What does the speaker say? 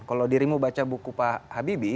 kalau dirimu baca buku pak habibie